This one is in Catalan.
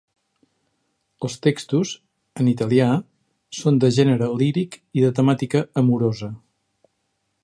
Els textos, en italià, són de gènere líric i de temàtica amorosa.